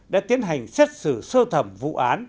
đã tiến hành xét xử sơ thẩm vụ án